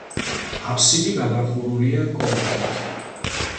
აფსიდი გადახურულია კონქით.